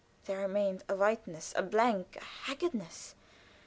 There remained a whiteness, a blank, a haggardness.